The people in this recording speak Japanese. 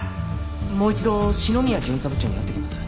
もう一度篠宮巡査部長に会ってきます。